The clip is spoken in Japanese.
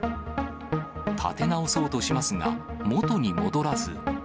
立て直そうとしますが、元に戻らず。